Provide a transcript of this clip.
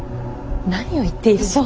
何を言っているの。